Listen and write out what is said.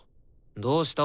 どうした？